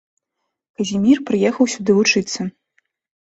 Казімір прыехаў сюды вучыцца.